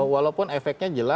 walaupun efeknya jelas